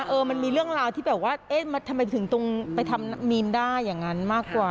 เออมันมีเรื่องราวที่แบบว่าเอ๊ะทำไมถึงต้องไปทำมีนได้อย่างนั้นมากกว่า